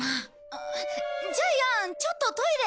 ジャイアンちょっとトイレ。